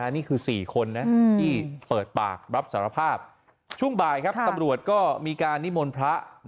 นี่คือ๔คนที่เปิดปากรับสารภาพช่วงบ่ายครับตำรวจก็มีการนิมนต์พระ